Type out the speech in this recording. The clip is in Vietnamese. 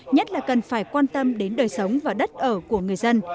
nhất là cần phải quan tâm đến đời sống và đất ở của người dân